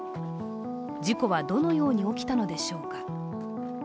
事故はどのように起きたのでしょうか。